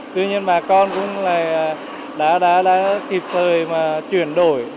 tuy nhiên bà con cũng là đã kịp thời mà chuyển đổi